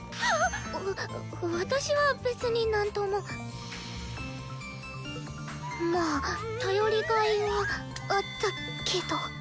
私は別に何とも。まぁ頼りがいはあったけど。